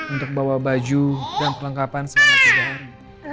untuk bawa baju dan kelengkapan selama sedang